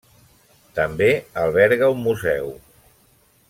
També alberga un museu.